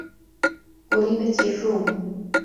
غُلِبَتِ الرّومُ